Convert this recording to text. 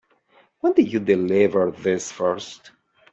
When did you deliver this first?